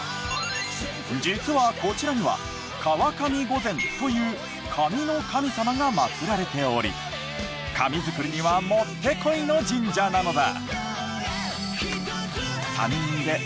実はこちらには川上御前という紙の神様が祭られており紙作りにはもってこいの神社なのだ。